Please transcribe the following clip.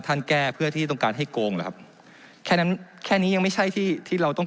แก้เพื่อที่ต้องการให้โกงหรือครับแค่นั้นแค่นี้ยังไม่ใช่ที่ที่เราต้อง